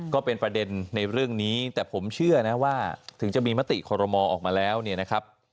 ก็เป็นประเด็นในเรื่องนี้แต่ผมเชื่อนะว่าถึงจะมีมติคอรมอออกมาแล้วเนี่ยนะครับ